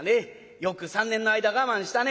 よく３年の間我慢したね」。